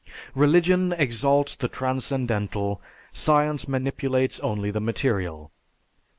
Religion exalts the transcendental; science manipulates only the material.